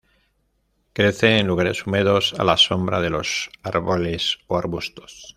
Crece en lugares húmedos, a la sombra de los árboles o arbustos.